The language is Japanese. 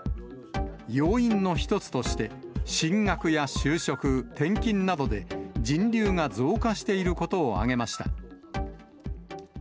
要因の一つとして、進学や就職、転勤などで人流が増加していることを挙げました。